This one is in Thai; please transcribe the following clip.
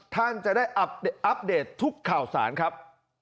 ท่านจะได้อัปเดตทุกข่าวสารครับ